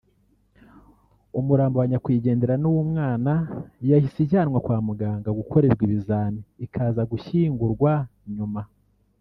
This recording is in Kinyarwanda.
umurambo wa nyakwigendera n’uw’umwana yahise ijyanwa kwa muganga gukorerwa ibizami ikaza gushyingurwa nyuma